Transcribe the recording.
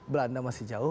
belanda masih jauh